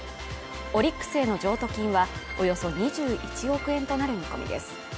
オリックスへの譲渡金はおよそ２１億円となる見込みです